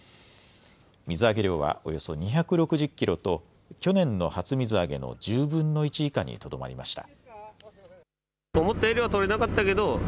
水揚げ量はおよそ２６０キロと去年の初水揚げの１０分の１以下にとどまりました。